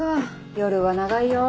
夜は長いよ。